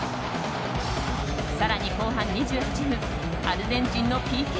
更に、後半２８分アルゼンチンのＰＫ。